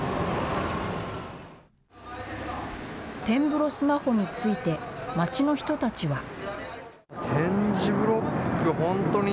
点ブロスマホについて、街の人たちは。